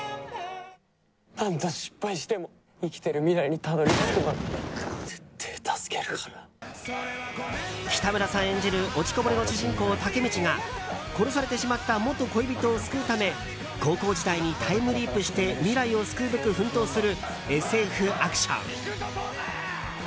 何回失敗しても生きてる未来にたどり着くため北村さん演じる落ちこぼれの主人公タケミチが殺されてしまった元恋人を救うため高校時代にタイムリープして未来を救うべく奮闘するＳＦアクション。